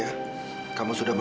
apakah kamu sudah tidur